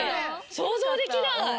想像できない。